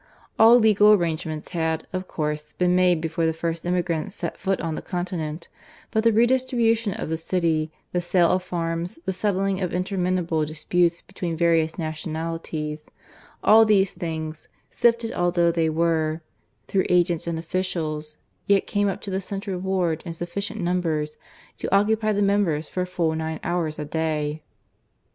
All legal arrangements had, of course, been made before the first emigrants set foot on the continent; but the redistribution of the city, the sale of farms, the settling of interminable disputes between various nationalities all these things, sifted although they were through agents and officials, yet came up to the central board in sufficient numbers to occupy the members for a full nine hours a day.